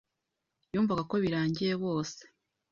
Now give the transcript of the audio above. yumvaga ko birangiye bose